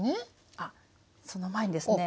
あっその前にですね